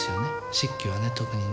漆器はね特にね。